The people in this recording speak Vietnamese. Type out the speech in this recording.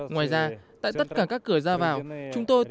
ngoài ra tại tất cả các cửa ra vào